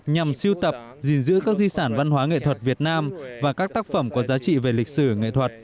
nhằm siêu tập gìn giữ các di sản văn hóa nghệ thuật việt nam và các tác phẩm có giá trị về lịch sử nghệ thuật